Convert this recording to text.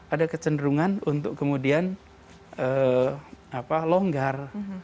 ada kecenderungan untuk kemudian longgar